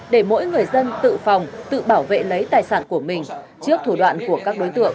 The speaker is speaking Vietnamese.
để mỗi người dân tự phòng tự bảo vệ lấy tài sản của mình trước thủ đoạn của các đối tượng